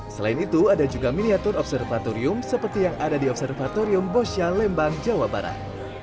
selain itu ada juga miniatur observatorium seperti yang ada di observatorium bosha lembang jawa barat